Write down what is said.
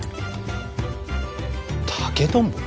竹とんぼ？